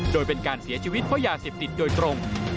โดยเป็นการเสียชีวิตเพราะยาเสพติดโดยตรง